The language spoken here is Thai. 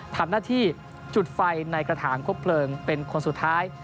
ทำหน้าที่จุดไฟในกระถางคบเพลิงเป็นคนสุดท้าย